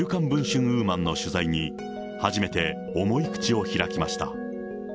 ＷＯＭＡＮの取材に、初めて重い口を開きました。